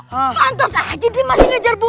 pantes aja dia masih ngejar bu m